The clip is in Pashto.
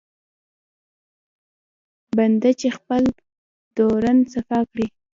بنده چې خپل درون صفا کړي.